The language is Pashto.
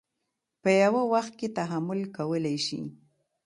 په یوه وخت کې تحمل کولی شي.